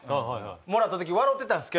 もらった時笑うてたんですけど。